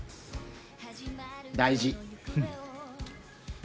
大事。